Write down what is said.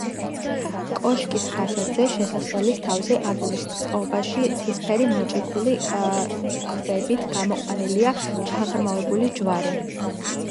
კოშკის ფასადზე, შესასვლელის თავზე აგურის წყობაში ცისფერი მოჭიქული ქვებით გამოყვანილია ჩაღრმავებული ჯვარი.